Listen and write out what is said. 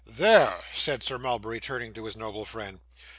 'There,' said Sir Mulberry, turning to his noble friend.